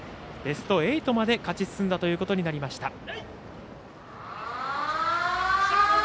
ベスト８まで勝ち進んだということになりました。